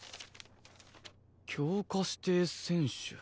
「強化指定選手」？